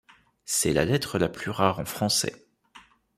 C'est la lettre la plus rare en français.